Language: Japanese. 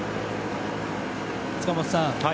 塚本さん